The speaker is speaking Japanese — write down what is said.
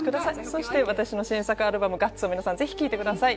そして私の新作アルバム『ＧＵＴＳ』を皆さん、ぜひ聴いてください。